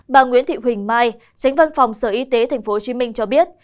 bà nguyễn thị huỳnh mai tránh văn phòng sở y tế tp hcm cho biết